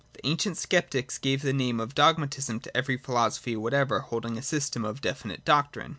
The ancient Sceptics gave the name of Dogmatism to every philosophy whatever holding a system of definite doctrine.